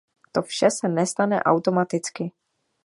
To vše se nestane automaticky.